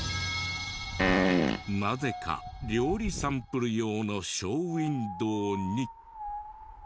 なぜか料理サンプル用のショーウィンドーに。